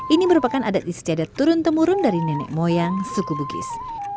ini merupakan adat istiadat turun temurun dari nenek moyang suku bugis